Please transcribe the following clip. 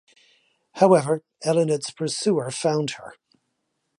However, Eluned's pursuer found her.